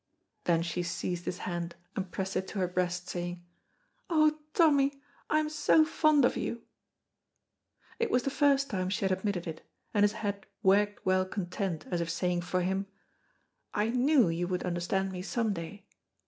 Then she seized his hand and pressed it to her breast, saying, "Oh, Tommy, I am so fond of you!" It was the first time she had admitted it, and his head wagged well content, as if saying for him, "I knew you would understand me some day."